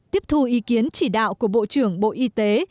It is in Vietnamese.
tiếp thu ý kiến chỉ đạo của bộ trưởng bộ y tế